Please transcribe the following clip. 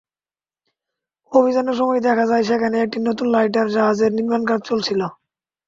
অভিযানের সময় দেখা যায় সেখানে একটি নতুন লাইটার জাহাজের নির্মাণকাজ চলছিল।